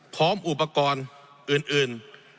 พร้อมอุปกรณ์อื่น